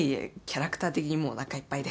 キャラクター的にもうおなかいっぱいです。